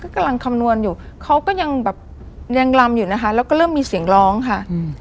กำลังคำนวณอยู่เขาก็ยังแบบยังลำอยู่นะคะแล้วก็เริ่มมีเสียงร้องค่ะอืม